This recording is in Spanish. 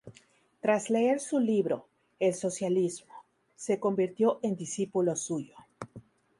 Tras leer su libro "El socialismo", se convirtió en discípulo suyo.